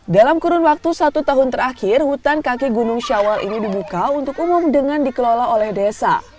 dalam kurun waktu satu tahun terakhir hutan kaki gunung syawal ini dibuka untuk umum dengan dikelola oleh desa